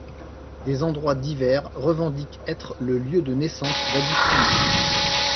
Des endroits divers revendiquent être le lieu de naissance d'Agustina.